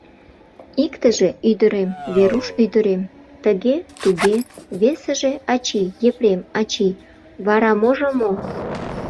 Иктыже: «ӱдырем, Веруш ӱдырем, тыге-туге», весыже: «ачий, Епрем ачий, вара можо мо?»